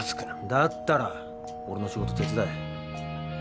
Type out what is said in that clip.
だったら俺の仕事手伝え。